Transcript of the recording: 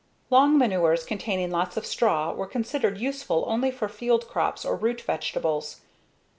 Long manures containing lots of straw were considered useful only for field crops or root vegetables.